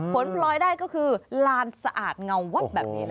ผลพลอยได้ก็คือลานสะอาดเงาวัดแบบนี้